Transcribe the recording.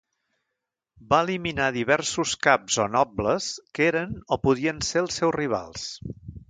Va eliminar diversos caps o nobles que eren o podien ser els seus rivals.